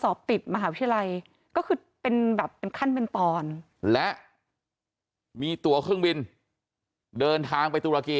สอบติดมหาวิทยาลัยก็คือเป็นแบบขั้นเป็นตอนและมีตัวเครื่อง